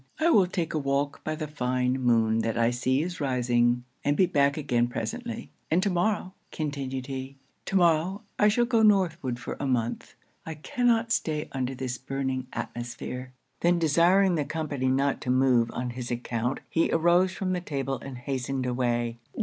I will take a walk by the fine moon that I see is rising, and be back again presently and to morrow,' continued he 'to morrow, I shall go northward for a month. I cannot stay under this burning atmosphere.' Then desiring the company not to move on his account, he arose from table and hastened away.